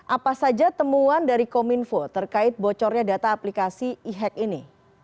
apa saja temuan dari kominfo terkait bocornya data aplikasi e hack ini